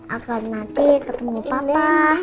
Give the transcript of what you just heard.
agar nanti ketemu papa